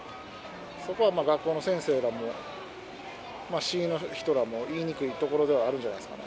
そこは学校の先生らも、市の人らも言いにくいところではあるんじゃないですかね。